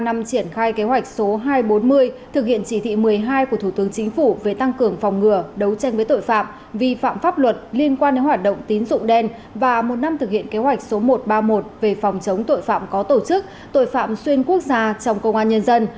trong triển khai kế hoạch số hai trăm bốn mươi thực hiện chỉ thị một mươi hai của thủ tướng chính phủ về tăng cường phòng ngừa đấu tranh với tội phạm vi phạm pháp luật liên quan đến hoạt động tín dụng đen và một năm thực hiện kế hoạch số một trăm ba mươi một về phòng chống tội phạm có tổ chức tội phạm xuyên quốc gia trong công an nhân dân